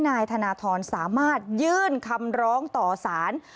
นายธนทรสามารถยื่นคำร้องต่อสาร